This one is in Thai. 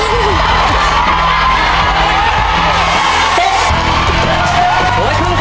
เวลาจะหมดแล้วลูก